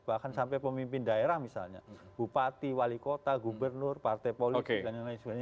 bahkan sampai pemimpin daerah misalnya bupati wali kota gubernur partai politik dan lain lain sebagainya